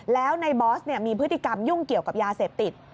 แล้วในบอสมีพฤติกรรมยุ่งเกี่ยวกับยาเสพติด